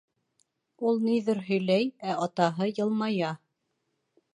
Ул ниҙер һөйләй, ә атаһы йылмая.